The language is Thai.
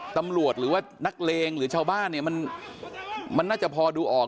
ตำรวจหรือว่านักเลงหรือชาวบ้านเนี่ยมันน่าจะพอดูออก